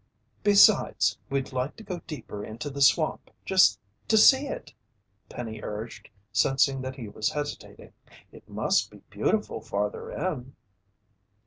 "Besides, we'd like to go deeper into the swamp just to see it," Penny urged, sensing that he was hesitating. "It must be beautiful farther in."